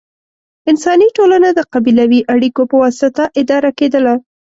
انساني ټولنه د قبیلوي اړیکو په واسطه اداره کېدله.